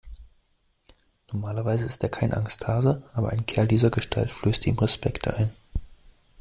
Normalerweise ist er kein Angsthase, aber ein Kerl dieser Gestalt flößte ihm Respekt ein.